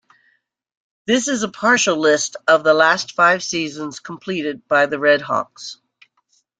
This is a partial list of the last five seasons completed by the Redhawks.